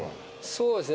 そうですね。